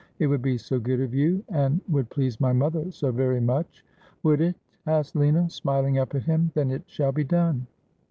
' It would be so good of you, and would please my mother so very much.' ' Would it ?' asked Lina, smiling up at him. ' Then it shall be done.'